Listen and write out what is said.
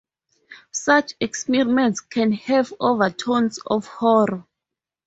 Such experiments can have overtones of horror.